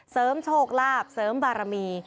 เสริมโชคราพเสริมบารมี